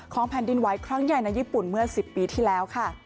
แผ่นดินไหวครั้งใหญ่ในญี่ปุ่นเมื่อ๑๐ปีที่แล้วค่ะ